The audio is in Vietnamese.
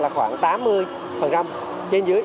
khoảng tám mươi trên dưới